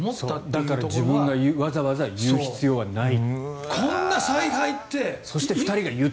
だから自分がわざわざ言う必要はない。